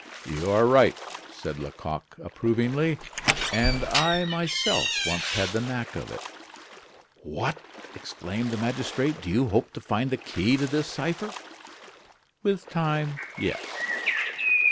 "You are right," said Lecoq, approvingly. "And I, myself, once had the knack of it." "What!" exclaimed the magistrate; "do you hope to find the key to this cipher?" "With time, yes."